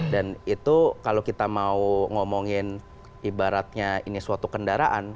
dan itu kalau kita mau ngomongin ibaratnya ini suatu kendaraan